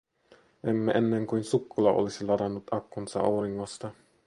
Emme ennen kuin sukkula olisi ladannut akkunsa auringosta.